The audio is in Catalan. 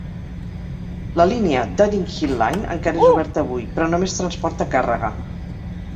La línia Dudding Hill Line encara és oberta avui, però només transporta càrrega.